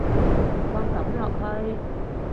情況噉落去